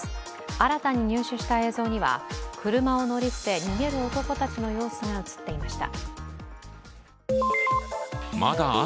新たに入手した映像には、車を乗り捨て、逃げる男たちの様子が映っていました。